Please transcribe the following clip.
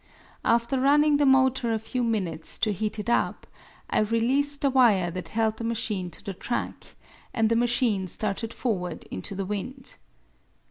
After running the motor a few minutes to heat it up, I released the wire that held the machine to the track, and the machine started forward into the wind.